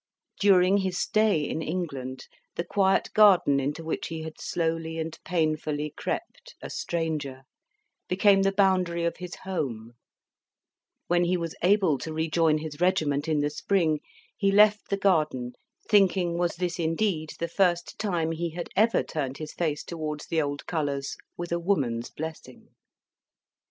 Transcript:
During his stay in England, the quiet garden into which he had slowly and painfully crept, a stranger, became the boundary of his home; when he was able to rejoin his regiment in the spring, he left the garden, thinking was this indeed the first time he had ever turned his face towards the old colours with a woman's blessing!